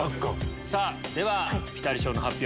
ではピタリ賞の発表